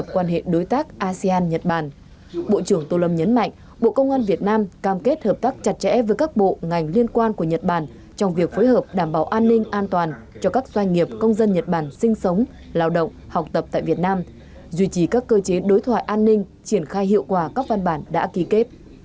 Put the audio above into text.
cùng ngày bộ trưởng tô lâm đã có cuộc gặp với nguyên thủ tướng nhật bản suga yoshihide